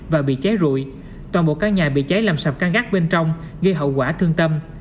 và bị cháy rụi toàn bộ căn nhà bị cháy làm sập căn gác bên trong gây hậu quả thương tâm